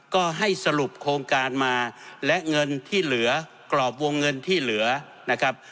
ก็ให้สรุปโครงการมาและเงินที่เหลือกรอบวงเงินที่เหลือนะครับ